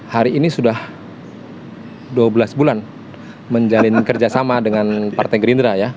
hari ini sudah dua belas bulan menjalin kerjasama dengan partai gerindra ya